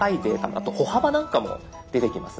あと歩幅なんかも出てきます。